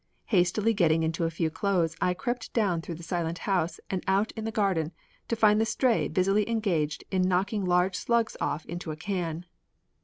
Hastily getting into a few clothes I crept down through the silent house and out in the garden to find the Stray busily engaged in knocking large slugs off into a can.